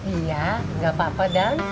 iya gapapa dan